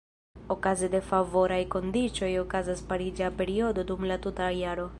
Okaze de favoraj kondiĉoj okazas pariĝa periodo dum la tuta jaro.